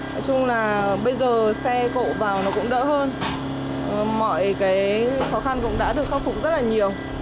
nói chung là bây giờ xe vộ vào nó cũng đỡ hơn mọi cái khó khăn cũng đã được khắc phục rất là nhiều